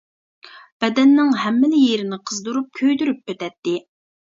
بەدەننىڭ ھەممىلا يېرىنى قىزدۇرۇپ، كۆيدۈرۈپ ئۆتەتتى.